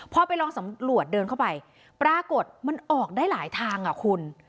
พอไปลองสำรวจเดินเข้าไปปรากฏมันออกได้หลายทางอ่ะคุณ